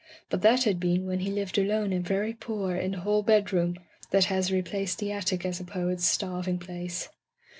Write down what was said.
But that had been when he lived alone and very poor in the hall bedroom that has re placed the attic as a poet's starving place.